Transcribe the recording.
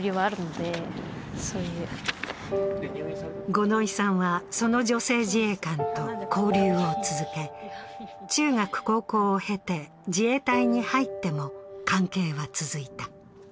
五ノ井さんは、その女性自衛官と交流を続け、中学、高校を経て自衛隊に入っても関係は続いた。